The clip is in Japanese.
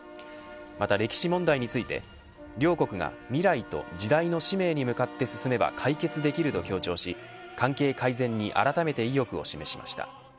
また、歴史問題について両国が未来と時代の使命に向かって進めば解決できると強調し関係改善にあらためて意欲を示しました。